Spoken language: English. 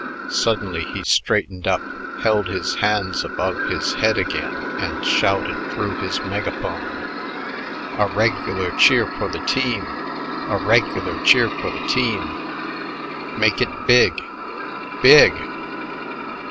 Suddenly he straightened up, held his hands above his head again, and shouted through his megaphone: "A regular cheer for the team a regular cheer for the team. Make it big BIG!